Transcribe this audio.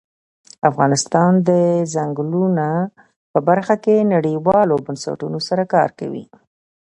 افغانستان د ځنګلونه په برخه کې نړیوالو بنسټونو سره کار کوي.